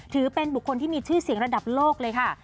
ถือเป็นบุคคลที่มีชื่อเสียงระดับโลกเลยค่ะ